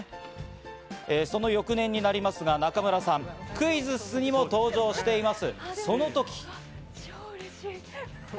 その翌年になりますが、中村さん、クイズッスにも登場しています。